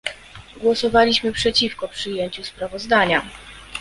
Głosowaliśmy przeciwko przyjęciu sprawozdania